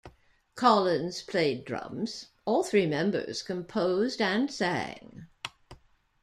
Collins played drums; all three members composed and sang.